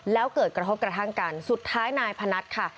แล้วเกิดกระทบกระทั่งกันสุดท้ายนายพนัทค่ะ